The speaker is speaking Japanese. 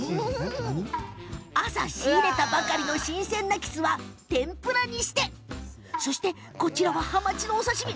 朝、仕入れたばかりの新鮮なキスを天ぷらにしてこちらはハマチのお刺身。